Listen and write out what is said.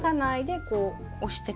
押してく。